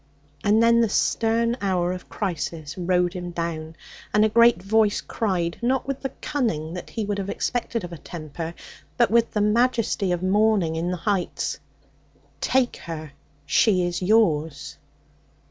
And then the stern hour of crisis rode him down, and a great voice cried, not with the cunning that he would have expected of a temper, but with the majesty of morning on the heights: 'Take her. She is yours.'